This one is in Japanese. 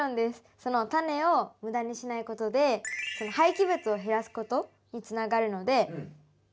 そのタネをムダにしないことで廃棄物を減らすことにつながるのでさすてなポイントです。